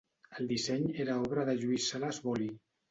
El disseny era obra de Lluís Sales Boli.